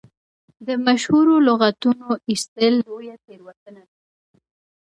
د مشهورو لغتونو ایستل لویه تېروتنه ده.